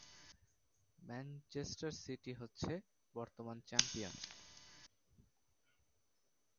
Manchester City হচ্ছে বর্তমান champion.